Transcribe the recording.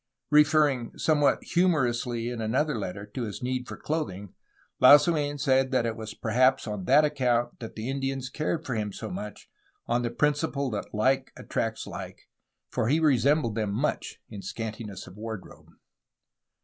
Referring somewhat humorously in another letter to his need for clothing, Lasuen said that it was perhaps on that account that the Indians cared for him so much, on the principle that like attracts like, for he resem bled them much in scantiness of wardrobe.